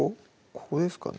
ここですかね？